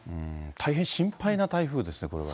大変心配な台風ですね、これはね。